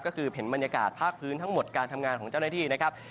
ก็คือเห็นบรรยากาศภาคพื้นทั้งหมดการทำงานของเจ้าหน้าที่นะครับ